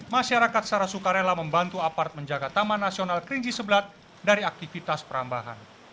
masyarakat secara sukarela membantu apart menjaga taman nasional kerinci sebelat dari aktivitas perambahan